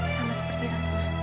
sama seperti rana